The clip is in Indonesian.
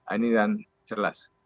ini yang jelas